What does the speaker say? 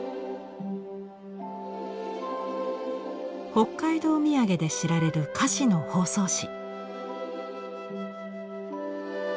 北海道土産で知られる菓子の包装紙。